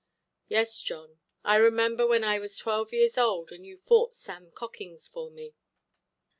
"Yes, John, I remember when I was twelve years old, and you fought Sam Cockings for me".